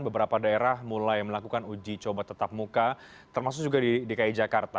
beberapa daerah mulai melakukan uji coba tetap muka termasuk juga di dki jakarta